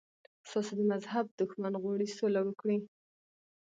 ستاسو د مذهب دښمن غواړي سوله وکړي.